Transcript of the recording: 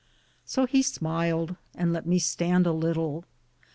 So he smyled, and lett me stande a litle.